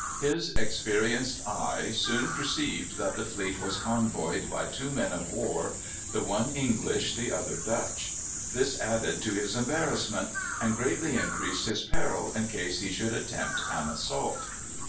His experienced eye soon perceived that the fleet was convoyed by two men of war, the one English, the other Dutch. This added to his embarrassment, and greatly increased his peril in case he should attempt an assault.